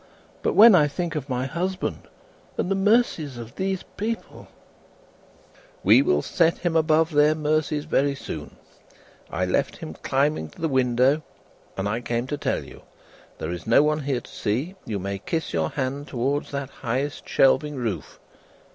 But when I think of my husband, and the mercies of these people " "We will set him above their mercies very soon. I left him climbing to the window, and I came to tell you. There is no one here to see. You may kiss your hand towards that highest shelving roof."